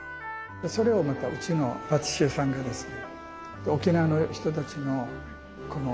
それをうちのパティシエさんがですね